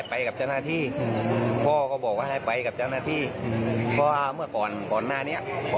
ไปจับตัวนะนี่ครั้งก่อนแล้ว